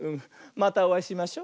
またおあいしましょ。